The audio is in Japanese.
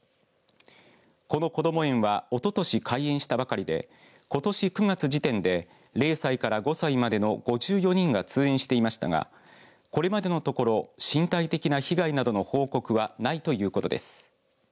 このこども園はおととし開園したばかりでことし９月時点で０歳から５歳までの５４人が通園していましたがこれまでのところ身体的な被害などの報告はないということです。